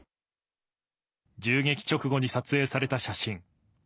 銃撃直後に撮影された写真。